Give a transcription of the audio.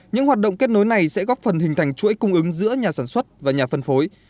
những hoạt động kết nối này sẽ góp phần hình thành chuỗi cung ứng giữa nhà sản xuất và nhà phân phối